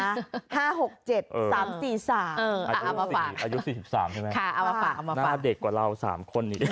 อายุ๔๓ใช่ไหมหน้าเด็กกว่าเรา๓คนอีก